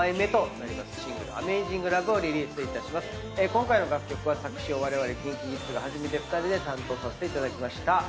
今回の楽曲は作詞をわれわれＫｉｎＫｉＫｉｄｓが初めて２人で担当させていただきました。